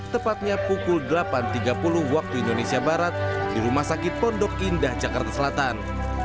tepatnya pukul delapan tiga puluh waktu indonesia barat di rumah sakit pondok indah jakarta selatan